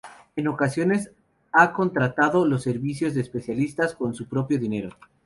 En ocasiones ha contratado los servicios de especialistas con su propio dinero.